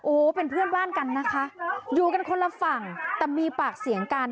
โอ้โหเป็นเพื่อนบ้านกันนะคะอยู่กันคนละฝั่งแต่มีปากเสียงกัน